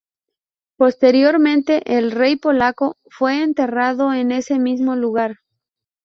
Posteriormente el rey polaco fue enterrado en ese mismo lugar.